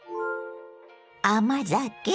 甘酒？